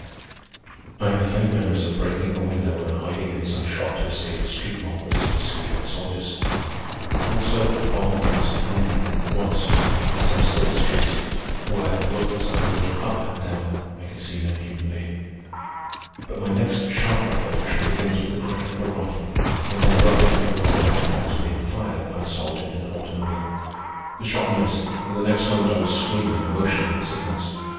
I have faint memories of breaking a window and hiding in some shop to escape a street mob that was pursued by soldiers. Also, a bomb burst near me, once, in some still street, where, look as I would, up and down, I could see no human being. But my next sharp recollection begins with the crack of a rifle and an abrupt becoming aware that I am being fired at by a soldier in an automobile. The shot missed, and the next moment I was screaming and motioning the signals.